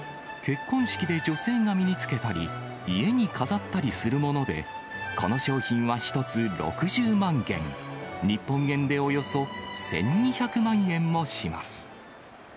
結婚式で女性が身につけたり、家に飾ったりするもので、この商品は１つ６０万元、日本円でおよそ１２００万円もします。